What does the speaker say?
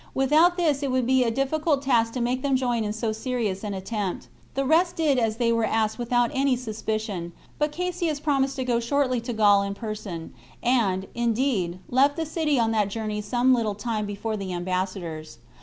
Without this it would be a difficult task to make them join in so serious an attempt. The rest did as they were asked without any suspicion, but Cassius promised to go shortly to Gaul in person, and, indeed, left the city on that journey some little time before the ambassadors.